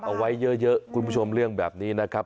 เอาไว้เยอะคุณผู้ชมเรื่องแบบนี้นะครับ